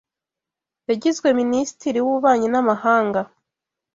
yagizwe Minisitiri w’Ububanyi n’amahanga